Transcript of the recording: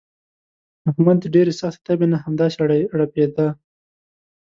احمد د ډېرې سختې تبې نه همداسې ړپېدا.